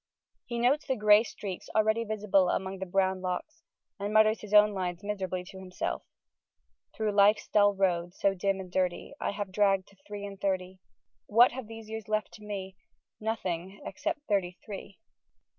He notes the grey streaks already visible among his dark brown locks, and mutters his own lines miserably to himself, Through life's dull road, so dim and dirty, I have dragg'd to three and thirty. What have these years left to me? Nothing except thirty three.